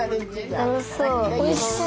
楽しそう。